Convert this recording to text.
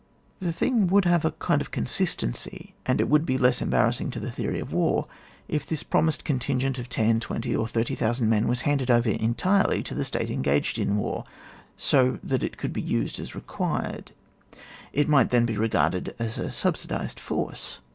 The thing would have a kind of con sistency, and it would be less embarrass 64 ON WAR. [book tul ing to the theory of war if this promised contingent of ten, twenty, or thirty thousand men was handed over entirely to the state engaged in war, so that it could be used as required; it might then be reg^arded as a subsidised force.